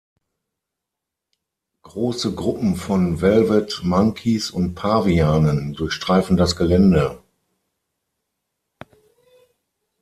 Große Gruppen von Velvet-Monkeys und Pavianen durchstreifen das Gelände.